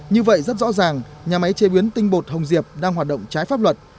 như vậy rất rõ ràng nhà máy chế biến tinh bột hồng diệp đang hoạt động trái pháp luật